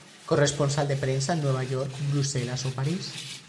Corresponsal de prensa en Nueva York, Bruselas o París.